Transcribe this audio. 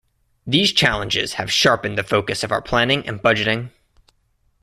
These challenges have sharpened the focus of our planning and budgeting.